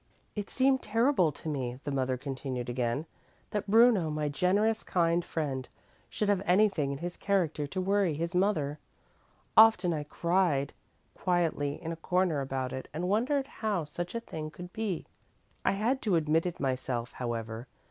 "It seemed terrible to me," the mother continued again, "that Bruno, my generous, kind friend, should have anything in his character to worry his mother. Often I cried quietly in a corner about it and wondered how such a thing could be. I had to admit it myself, however.